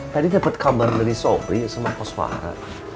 tadi dapet kabar dari sobri sama poswara